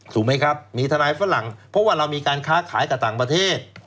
ถูกไหมครับมีทนายฝรั่งเพราะว่าเรามีการค้าขายกับต่างประเทศ